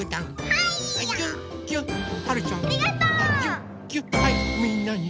はいみんなに。